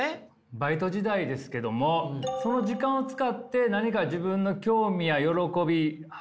バイト時代ですけどもその時間を使って何か自分の興味や喜び発見しましたか？